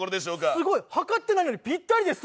すごい、はかっていないのにぴったりですよ。